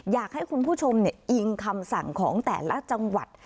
อยากให้คุณผู้ชมอิงคำสั่งของแต่ละจังหวัด